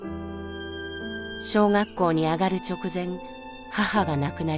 小学校に上がる直前母が亡くなります。